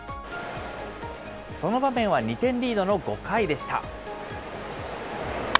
その場面は２点リードの５回でした。